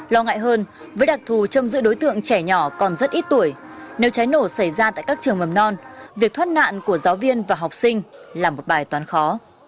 lo ngại hơn với đặc thù trong giữ đối tượng trẻ nhỏ còn rất ít tuổi nếu cháy nổ xảy ra tại các trường mầm non việc thoát nạn của giáo viên và học sinh là một bài toán khó